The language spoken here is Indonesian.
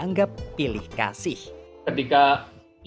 tingginya bendelbatin ub interferansi seals control turki